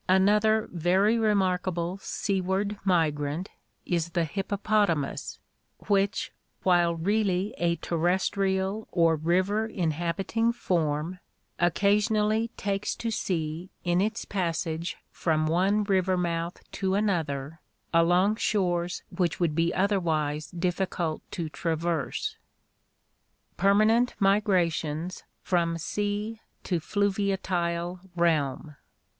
Another very remarkable seaward migrant is the hippopotamus, which while really a terrestrial or river inhabiting form, occasionally takes to sea in its passage from one river mouth to another along shores which would be otherwise difficult to traverse. Permanent Migrations from Sea to Fluviatile Realm.